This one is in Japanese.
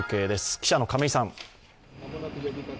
記者の亀井さん。